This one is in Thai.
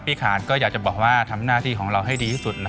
ขาดก็อยากจะบอกว่าทำหน้าที่ของเราให้ดีที่สุด